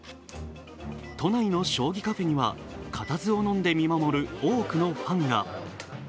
都内の将棋カフェには固唾をのんで見守る多くのファンが。